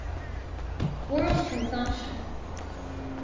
_World Consumption.